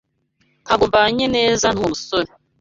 Ntabwo mbanye neza nuwo musore.